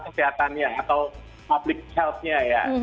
kesehatannya atau public health nya ya